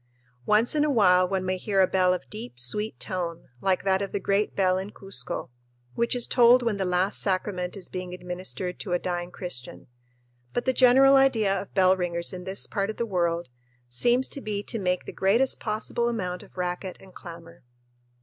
Once in a while one may hear a bell of deep, sweet tone, like that of the great bell in Cuzco, which is tolled when the last sacrament is being administered to a dying Christian; but the general idea of bell ringers in this part of the world seems to be to make the greatest possible amount of racket and clamor.